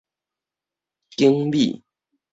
景美